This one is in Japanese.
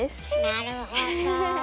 なるほど。